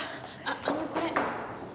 あっあのこれ。